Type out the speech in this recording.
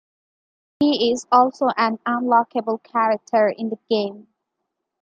He is also an unlockable character in the game.